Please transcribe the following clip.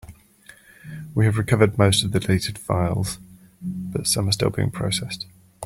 We have recovered most of the deleted files, but some are still being processed.